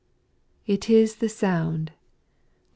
It is the sound, &c.